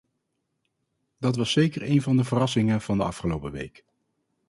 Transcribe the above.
Dat was zeker een van de verrassingen van de afgelopen week.